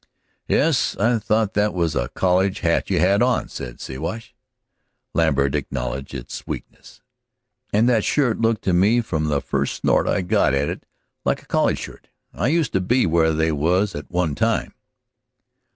"Yes, I thought that was a college hat you had on," said Siwash. Lambert acknowledged its weakness. "And that shirt looked to me from the first snort I got at it like a college shirt. I used to be where they was at one time."